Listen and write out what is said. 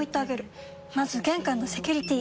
まず玄関のセキュリティ！